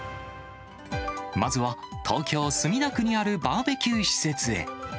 まずは東京・墨田区にあるバーベキュー施設へ。